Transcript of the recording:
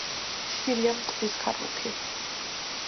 ხშირია მტვრის ქარბუქი.